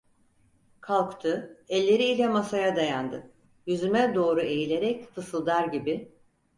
Kalktı, elleri ile masaya dayandı, yüzüme doğru eğilerek fısıldar gibi: